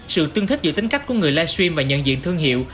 sự tương thích giữa tính cách của người live stream và nhận diện thương hiệu